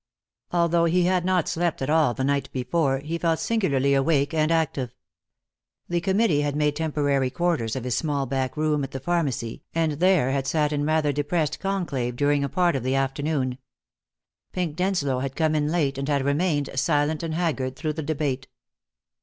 Although he had not slept at all the night before, he felt singularly awake and active. The Committee had made temporary quarters of his small back room at the pharmacy, and there had sat in rather depressed conclave during a part of the afternoon. Pink Denslow had come in late, and had remained, silent and haggard, through the debate.